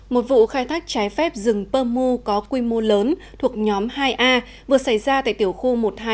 một vụ khai thác trái phép rừng pomu có quy mô lớn thuộc nhóm hai a vừa xảy ra tại tiểu khu một nghìn hai trăm một mươi chín